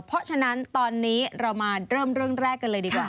เพราะฉะนั้นตอนนี้เรามาเริ่มเรื่องแรกกันเลยดีกว่า